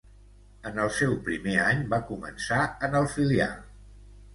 En el seu primer any va començar en el filial.